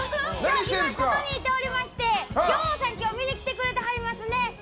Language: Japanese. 今ここにいておりまして仰山、今日見に来てくれてはりますね。